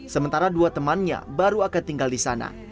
sementara dua temannya baru akan tinggal di sana